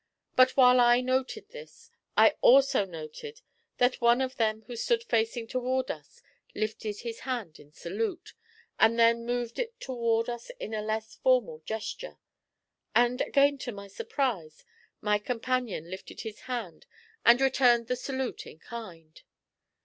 But while I noted this, I also noted that one of them who stood facing toward us lifted his hand in salute, and then moved it toward us in a less formal gesture, and, again to my surprise, my companion lifted his hand and returned the salute in kind.